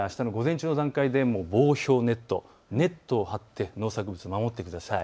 あすの午前中の段階で防ひょうネットを張って農作物を守ってください。